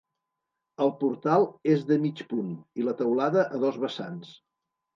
El portal és de mig punt i la teulada a dos vessants.